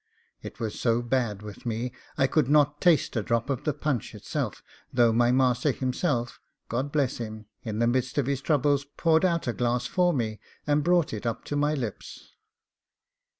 It was so bad with me, I could not taste a drop of the punch itself, though my master himself, God bless him! in the midst of his trouble, poured out a glass for me, and brought it up to my lips.